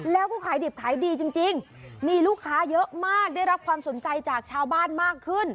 แล้วก็ขายดิบขายดีจริงมีลูกค้าเยอะมากได้รับความสนใจจากชาวบ้านมากขึ้น